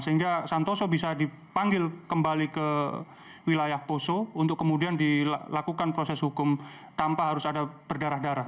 sehingga santoso bisa dipanggil kembali ke wilayah poso untuk kemudian dilakukan proses hukum tanpa harus ada berdarah darah